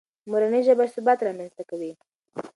مورنۍ ژبه ثبات رامنځته کوي.